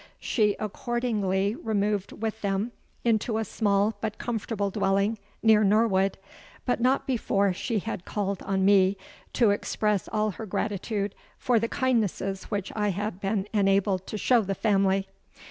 She accordingly removed with them into a small but comfortable dwelling near Norwood—but not before she had called on me, to express all her gratitude for the kindnesses which I had been enabled to show the family.